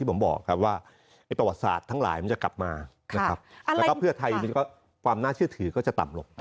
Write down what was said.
ผมบอกครับว่าประวัติศาสตร์ทั้งหลายมันจะกลับมานะครับแล้วก็เพื่อไทยความน่าเชื่อถือก็จะต่ำลง